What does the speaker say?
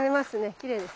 きれいですね。